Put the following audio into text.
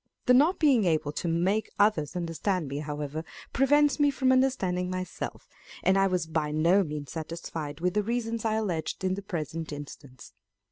The not being able to make others understand me, however, prevents me from understanding myself, and I was by no means satisfied with the reasons I alleged in the present instance.